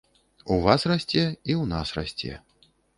У вас расце, і ў нас расце.